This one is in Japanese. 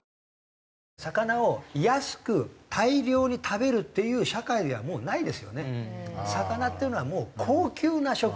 魚を安く大量に食べるっていう社会ではもうないですよね。